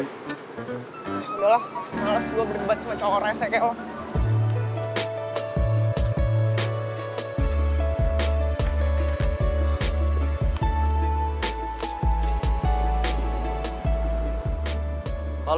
yaudahlah males gue berdebat sama cowok rese kayak lo